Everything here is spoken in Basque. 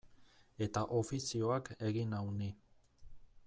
Eta ofizioak egin nau ni.